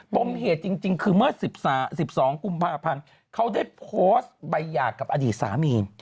ปมเหตุจริงคือเมื่อ๑๒กุมภาพันธ์เขาได้โพสต์ใบหย่ากับอดีตสามี